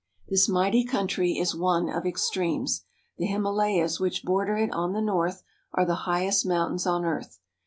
This mighty country is one of extremes. The Hima layas which border it on the north are the highest mountains on earth.